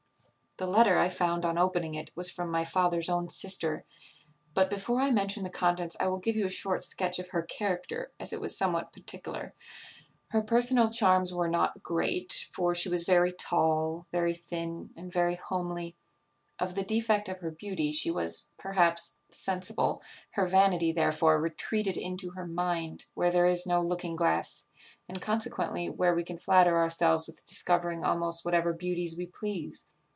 "The letter, I found on opening it, was from my father's own sister; but before I mention the contents I will give you a short sketch of her character, as it was somewhat particular. Her personal charms were not great; for she was very tall, very thin, and very homely. Of the defect of her beauty she was, perhaps, sensible; her vanity, therefore, retreated into her mind, where there is no looking glass, and consequently where we can flatter ourselves with discovering almost whatever beauties we please.